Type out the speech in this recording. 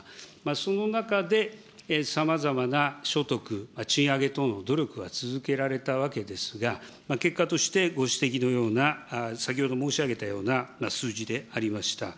その中で、さまざまな所得、賃上げ等の努力は続けられたわけですが、結果としてご指摘のような、先ほど申し上げたような数字でありました。